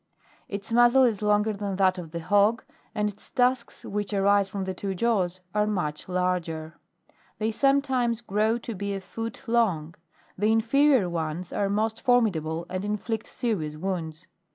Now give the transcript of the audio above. Its muzzle is longer than that of the hog, and its tusks which arise from the two jaws are much larger ; they sometimes grow to be a foot long ; the inferior ones are most formidable and inflict serious wounds.